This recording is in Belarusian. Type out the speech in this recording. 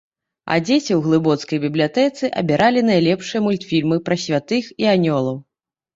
А дзеці ў глыбоцкай бібліятэцы абіралі найлепшыя мультфільмы пра святых і анёлаў.